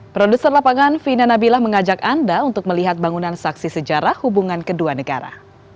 produser lapangan vina nabilah mengajak anda untuk melihat bangunan saksi sejarah hubungan kedua negara